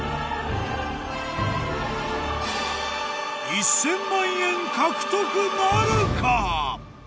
１０００万円獲得なるか？